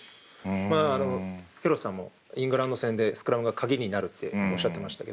廣瀬さんもイングランド戦でスクラムがカギになるっておっしゃってましたけど。